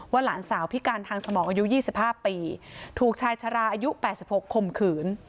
หลานสาวพิการทางสมองอายุ๒๕ปีถูกชายชะลาอายุ๘๖คมขืน